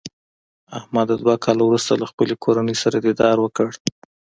احمد دوه کاله ورسته له خپلې کورنۍ سره دیدار وکړ.